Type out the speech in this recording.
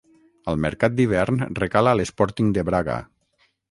Al mercat d'hivern recala a l'Sporting de Braga.